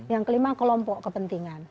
yang kelima kelompok kepentingan